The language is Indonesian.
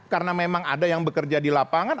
karena memang ada yang bekerja di lapangan